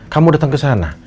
kamu datang ke sana